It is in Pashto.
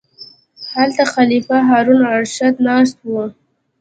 هلته خلیفه هارون الرشید ناست و.